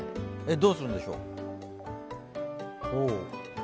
どうするんでしょう？